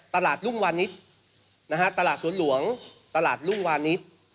รุ่งวานิสตลาดสวนหลวงตลาดรุ่งวานิส